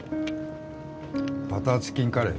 ・バターチキンカレー？